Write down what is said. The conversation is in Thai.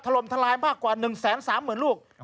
ลมทลายมากกว่า๑๓๐๐๐ลูก